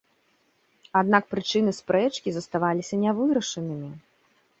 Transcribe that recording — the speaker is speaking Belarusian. Аднак прычыны спрэчкі заставаліся нявырашанымі.